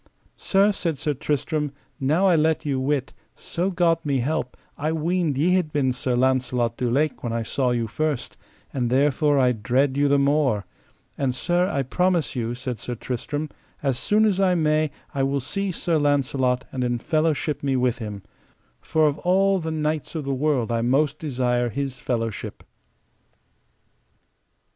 Sir, said Sir Tristram, now I let you wit, so God me help, I weened ye had been Sir Launcelot du Lake when I saw you first, and therefore I dread you the more; and sir, I promise you, said Sir Tristram, as soon as I may I will see Sir Launcelot and in fellowship me with him; for of all the knights of the world I most desire his fellowship.